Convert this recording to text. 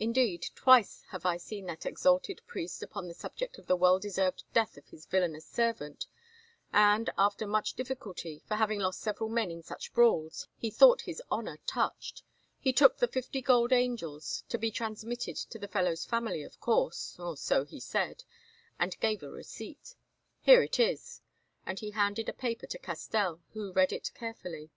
Indeed, twice have I seen that exalted priest upon the subject of the well deserved death of his villainous servant, and, after much difficulty, for having lost several men in such brawls, he thought his honour touched, he took the fifty gold angels—to be transmitted to the fellow's family, of course, or so he said—and gave a receipt. Here it is," and he handed a paper to Castell, who read it carefully.